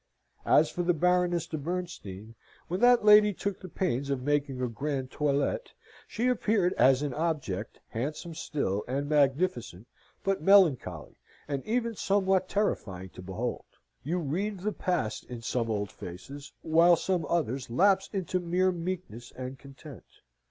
As for the Baroness de Bernstein, when that lady took the pains of making a grand toilette, she appeared as an object, handsome still, and magnificent, but melancholy, and even somewhat terrifying to behold. You read the past in some old faces, while some others lapse into mere meekness and content.